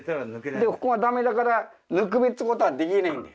でもここがダメだから抜くべってことはできないんだよ。